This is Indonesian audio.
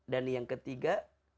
dan yang ketiga